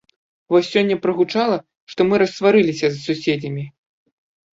Вось сёння прагучала, што мы рассварыліся з суседзямі.